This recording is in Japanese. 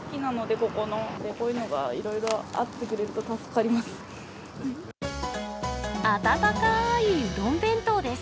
こういうのがいろいろあってくれると助かります。